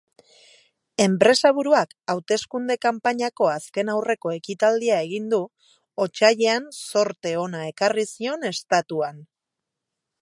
Enpresaburuak hauteskunde-kanpainako azken-aurreko ekitaldia egin du, otsailean zorte ona ekarri zion estatuan.